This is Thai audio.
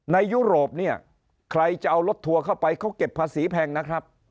ยุโรปเนี่ยใครจะเอารถทัวร์เข้าไปเขาเก็บภาษีแพงนะครับ